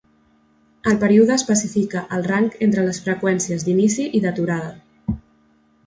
El període especifica el rang entre les freqüències d'inici i d'aturada.